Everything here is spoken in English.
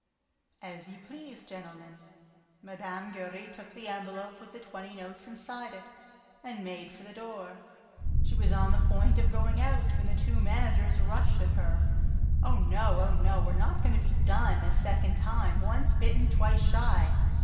"As you please, gentlemen." Mme. Giry took the envelope with the twenty notes inside it and made for the door. She was on the point of going out when the two managers rushed at her: "Oh, no! Oh, no! We're not going to be 'done' a second time! Once bitten, twice shy!"